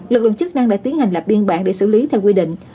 lực lượng chức năng đã tiến hành lập biên bản để xử lý theo quy định